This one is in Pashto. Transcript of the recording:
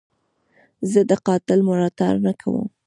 زه د قاتل ملاتړ نه کوم.